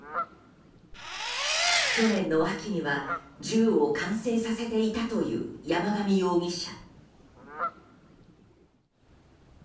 去年の秋には銃を完成させていたという山上容疑者。